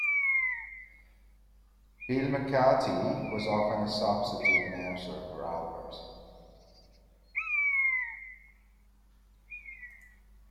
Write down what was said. Bill Macatee was often a substitute announcer for Albert.